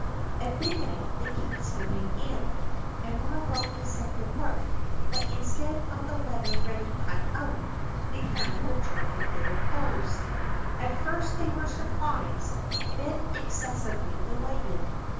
At midnight they came skipping in, and were about to set to work; but, instead of the leather ready cut out, they found the charming little clothes. At first they were surprised, then excessively delighted.